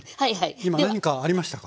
今何かありましたか？